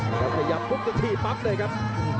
ก็พยายามปุ๊บจะที่ปั๊บเลยครับ